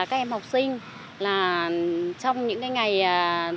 trang phục truyền thống luôn được trú trọng